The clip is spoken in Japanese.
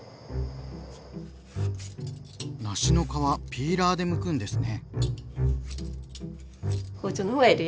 梨の皮ピーラーでむくんですね。